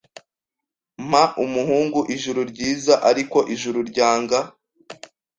Mpa umuhungu Ijuru ryiza ariko Ijuru ryanga